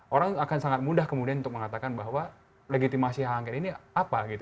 orang akan sangat mudah kemudian untuk mengatakan bahwa legitimasi hak angket ini apa gitu